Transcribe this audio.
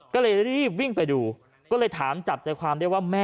ก็เลยรีบวิ่งไปดูก็เลยถามจับใจความ